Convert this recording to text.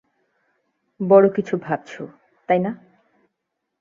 বড় কিছু ভাবছো, তাই না?